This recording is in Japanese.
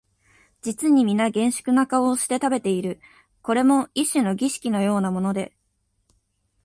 実にみな厳粛な顔をして食べている、これも一種の儀式のようなもので、